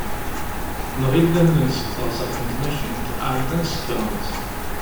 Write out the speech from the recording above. Nɣill ad nens deg teɣsert n tmacint, ɛeddan sekkṛen-tt.